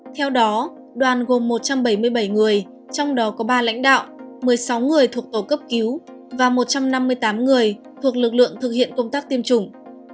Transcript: theo đó đoàn gồm một trăm bảy mươi bảy người trong đó có ba lãnh đạo một mươi sáu người thuộc tổ cấp cứu và một trăm năm mươi tám người thuộc lực lượng thực hiện công tác tiêm chủng